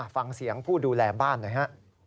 ฟังเสียงผู้ดูแลบ้านหน่อยฮะ